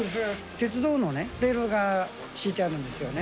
鉄道のね、レールが敷いてあるんですよね。